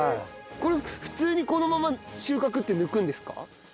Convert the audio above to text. これ普通にこのまま収穫って抜くんですか？